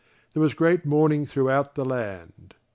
There was great mourning throughout the land.